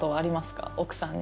奥さんに。